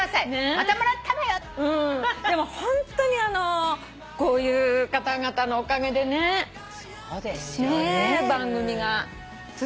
「またもらったわよ」でもホントにあのこういう方々のおかげでね番組が続いて。